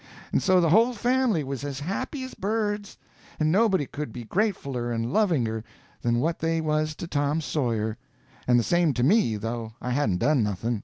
And so the whole family was as happy as birds, and nobody could be gratefuler and lovinger than what they was to Tom Sawyer; and the same to me, though I hadn't done nothing.